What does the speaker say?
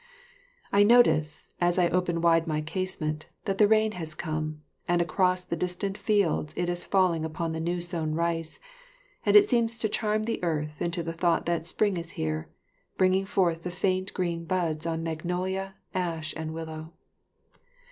I notice, as I open wide my casement, that the rain has come, and across the distant fields it is falling upon the new sown rice and seems to charm the earth into the thought that spring is here, bringing forth the faint green buds on magnolia, ash, and willow.